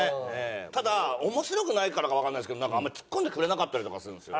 ただ面白くないからかわかんないですけどなんかあんまりツッコんでくれなかったりとかするんですよ。